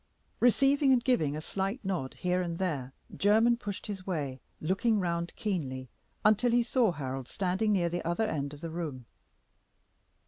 Receiving and giving a slight nod here and there, Jermyn pushed his way, looking round keenly, until he saw Harold standing near the other end of the room.